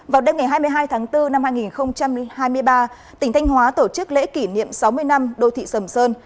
vào đêm ngày hai mươi hai tháng bốn năm hai nghìn hai mươi ba tỉnh thanh hóa tổ chức lễ kỷ niệm sáu mươi năm đô thị sầm sơn